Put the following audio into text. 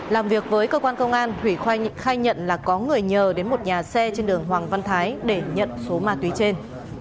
làm việc với cơ quan công an hủy khoai khai nhận là có người nhờ đến một nhà xe trên đường hoàng văn thái để nhận số ma túy trên